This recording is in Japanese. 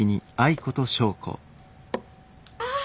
ああ。